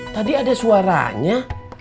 tadi ada suaranya